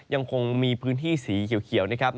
ยังคงมีพื้นที่สีเขียวนะครับ